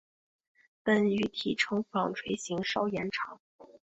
本鱼体成纺锤型稍延长。